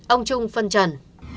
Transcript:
ông trung phân trần